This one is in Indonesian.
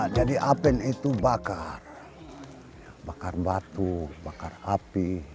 jadi apen itu bakar bakar batu bakar api